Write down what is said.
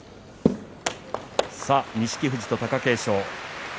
錦富士と貴景勝。